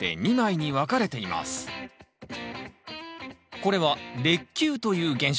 これは裂球という現象。